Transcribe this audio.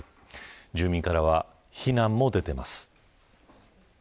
住民からは非難も出ています。